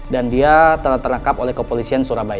dan dia telah terangkap oleh kepolisian surabaya